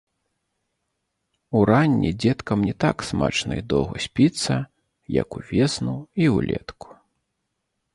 Уранні дзеткам не так смачна і доўга спіцца, як увесну і ўлетку.